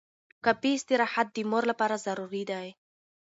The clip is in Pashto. کافي استراحت د مور لپاره ضروري دی.